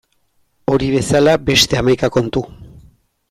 Hori bezala beste hamaika kontu.